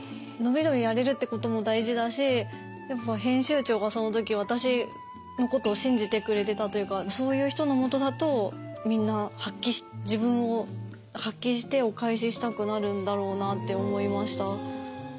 伸び伸びやれるってことも大事だしやっぱ編集長がその時私のことを信じてくれてたというかそういう人の下だとみんな自分を発揮してお返ししたくなるんだろうなって思いました。